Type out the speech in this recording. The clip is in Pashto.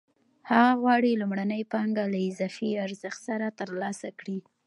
هغه غواړي لومړنۍ پانګه له اضافي ارزښت سره ترلاسه کړي